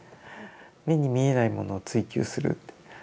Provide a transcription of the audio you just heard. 目に見えないものを追求するって。